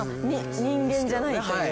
人間じゃないという。